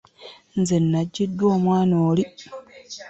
Nze najjidwa omwana oli!